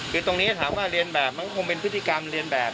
คือตรงนี้ถามว่าเรียนแบบมันก็คงเป็นพฤติกรรมเรียนแบบ